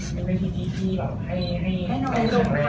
ไม่มีที่ให้น้องลงขาแรงเหรอ